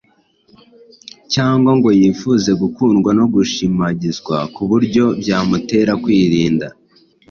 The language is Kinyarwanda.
cyangwa ngo yifuze gukundwa no gushimagizwa ku buryo byamutera kwirinda